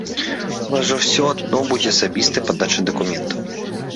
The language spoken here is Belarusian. У вас жа ўсё адно будзе асабістая падача дакументаў.